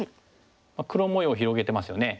黒模様広げてますよね。